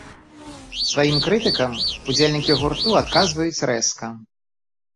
Сваім крытыкам удзельнікі гурту адказваюць рэзка.